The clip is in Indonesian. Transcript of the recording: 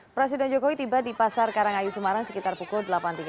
presiden jokowi tiba di pasar karangayu semarang sekitar pukul delapan tiga puluh